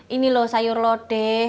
ini loh sayur lodeh